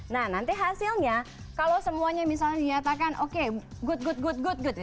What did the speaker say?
nah nanti hasilnya kalau semuanya misalnya dinyatakan oke good good good good good ya